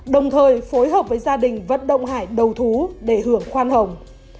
đồng thời phối hợp với gia đình vất đông hải đầu thú để hưởng khoan hồng